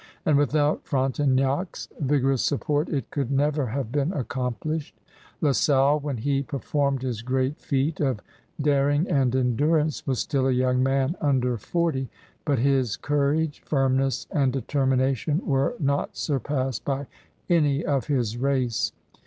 And without Frontenac's vigor ous support it could never have been accomplished. La Salle, when he performed his great feat of daring and endiu*ance, was still a young man under forty, but his courage, firmness, and determination were not surpassed by any of his race.